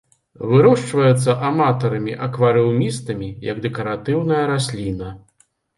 Вырошчваецца аматарамі-акварыумістамі, як дэкаратыўная расліна.